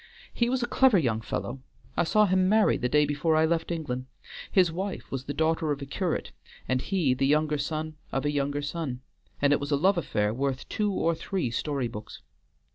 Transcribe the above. He was a clever young fellow; I saw him married the day before I left England. His wife was the daughter of a curate, and he the younger son of a younger son, and it was a love affair worth two or three story books.